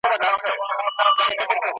حیادار حیا کول بې حیا ویل زما څخه بېرېږي ,